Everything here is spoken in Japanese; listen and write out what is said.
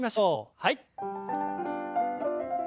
はい。